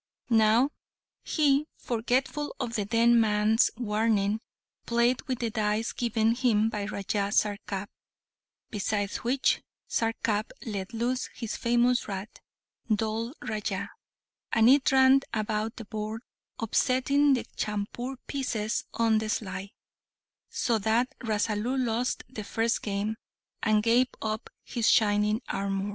Now he, forgetful of the dead man's warning, played with the dice given him by Raja Sarkap, besides which, Sarkap let loose his famous rat, Dhol Raja, and it ran about the board, upsetting the chaupur pieces on the sly, so that Rasalu lost the first game, and gave up his shining armour.